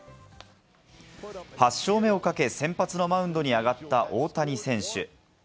８勝目をかけ先発のマウンドに上がった大谷選手。